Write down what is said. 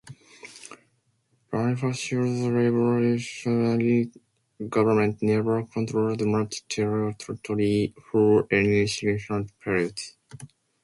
Bonifacio's revolutionary government never controlled much territory for any significant period.